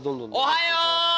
おはよう！